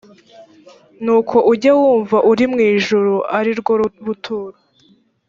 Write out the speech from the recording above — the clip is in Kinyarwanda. nuko ujye wumva uri mu ijuru ari ryo buturo